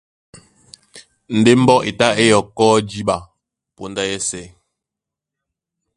Ndé mbɔ́ e tá é yɔkɔ́ jǐɓa póndá yɛ́sɛ̄.